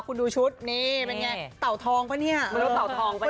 คุณดูชุดนี่เป็นไง